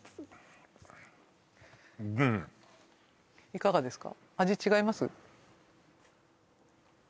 いかがですか？